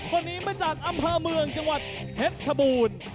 คนนี้มาจากอำเภอเมืองจังหวัดเพชรชบูรณ์